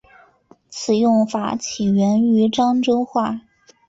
此用法起源于漳州话。